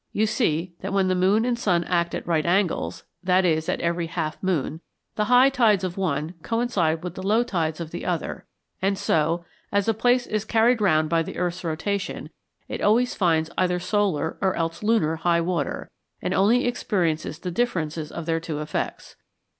You see that when the moon and sun act at right angles (i.e. at every half moon), the high tides of one coincide with the low tides of the other; and so, as a place is carried round by the earth's rotation, it always finds either solar or else lunar high water, and only experiences the difference of their two effects.